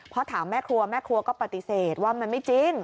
พอถามแม่ครัวแม่ครัวก็ปฏิเสธว่ามันไม่จริง